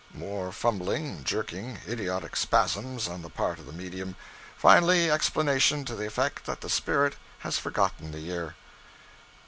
(More fumbling, jerking, idiotic spasms, on the part of the medium. Finally, explanation to the effect that the spirit has forgotten the year.)